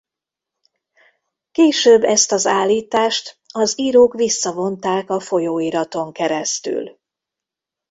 Később ezt az állítást az írók visszavonták a folyóiraton keresztül.